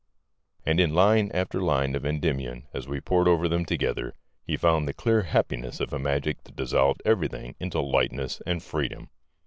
And in line after line of Endymion, as we pored over them together, he found the clear happiness of a magic that dissolved everything into lightness and freedom.